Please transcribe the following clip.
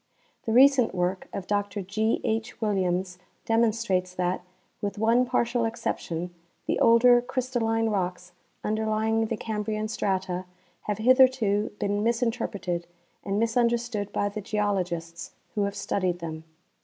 The recent work of Dr G. H. Williams demonstrates that, with one partial exception, the older crystalline rocks underlying the Cambrian strata have hitherto been misinterpreted and misun derstood by the geologists who have studied them.